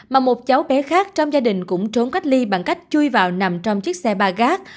mà một cháu bé khác trong gia đình cũng trốn cách ly bằng cách chui vào nằm trong chiếc xe ba gác